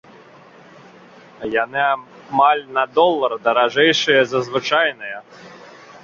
Яны амаль на долар даражэйшыя за звычайныя.